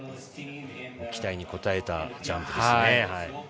期待に応えたジャンプですね。